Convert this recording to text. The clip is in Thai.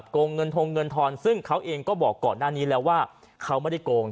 โกงเงินทงเงินทอนซึ่งเขาเองก็บอกก่อนหน้านี้แล้วว่าเขาไม่ได้โกง